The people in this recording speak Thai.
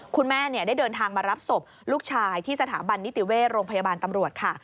คุณแม่ได้เดินทางมารับศพลูกชายที่สถาบันนิติเวชโรงพยาบาลตำรวจค่ะ